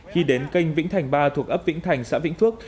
khi đến kênh vĩnh thành ba thuộc ấp vĩnh thành xã vĩnh phước